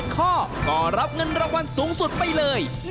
ข้อก็รับเงินรางวัลสูงสุดไปเลย